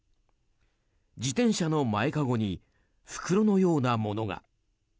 自転車の前籠に袋のようなものが。